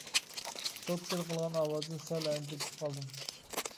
توككىدە قىلغان ئاۋازدىن سەل ئەندىكىپ قالدىم.